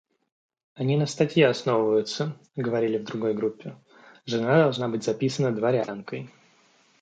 Они на статье основываются, — говорили в другой группе, — жена должна быть записана дворянкой.